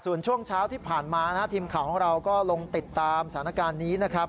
ส่วนช่วงเช้าที่ผ่านมานะครับทีมข่าวของเราก็ลงติดตามสถานการณ์นี้นะครับ